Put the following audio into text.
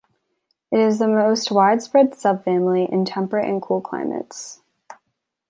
It is the most widespread subfamily in temperate and cool climates.